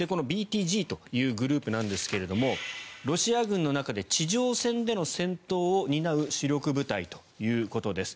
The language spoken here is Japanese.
このＢＴＧというグループなんですがロシア軍の中で地上戦での戦闘を担う主力部隊ということです。